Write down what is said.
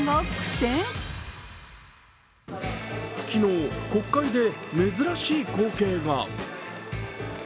昨日、国会で珍しい光景が。